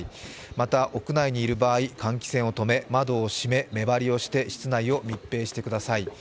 また、屋内にいる場合換気扇を止め窓を閉め、目張りをして室内を密閉してください。